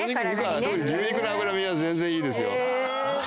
特に牛肉の脂身は全然いいですよ。